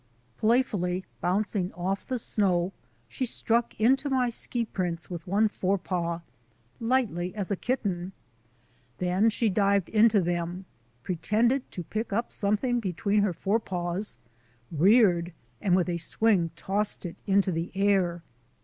Playfully bouncing off the snow, she struck into my ski prints with one forepaw, lightly as a kitten. Then she dived into them, pretended to pick up something between her forepaws, reared, and with a swing tossed it into the air.